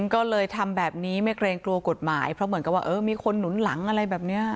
ก็เลยทำแบบนี้ไม่เกรงกลัวกฎหมายเพราะเหมือนกับว่าเออมีคนหนุนหลังอะไรแบบนี้